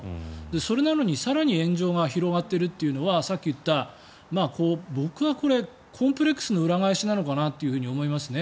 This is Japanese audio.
それなのに更に炎上が広がっているというのはさっき言った、僕はこれコンプレックスの裏返しなのかなと思いますね。